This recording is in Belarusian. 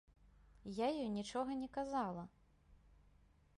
Я ёй нічога не казала.